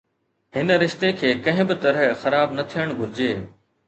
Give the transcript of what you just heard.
هن رشتي کي ڪنهن به طرح خراب نه ٿيڻ گهرجي.